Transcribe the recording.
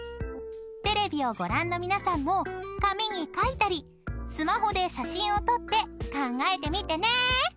［テレビをご覧の皆さんも紙に書いたりスマホで写真を撮って考えてみてね］